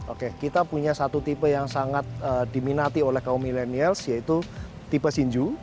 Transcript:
oke kita punya satu tipe yang sangat diminati oleh kaum milenials yaitu tipe shinju